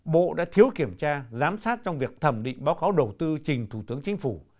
bộ đã thiếu kiểm tra giám sát trong việc thẩm định báo cáo đầu tư trình thủ tướng chính phủ